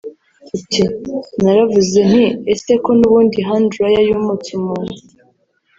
Ati “ Naravuze nti ese ko nubundi hand dryer yumutsa umuntu